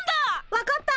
分かった！